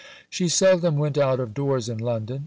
She seldom went out of doors in London.